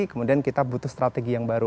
kemudian kita butuh strategi yang baru